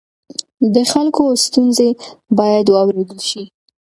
د خلکو ستونزې باید واورېدل شي.